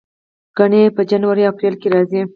ګڼې یې په جنوري او اپریل کې راځي.